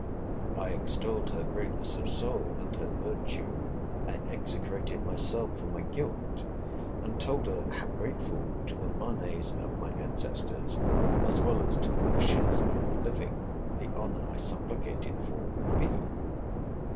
I extolled her greatness of soul, and her virtue. I execrated myself for my guilt: and told her, how grateful to the manes of my ancestors, as well as to the wishes of the living, the honour I supplicated for would be.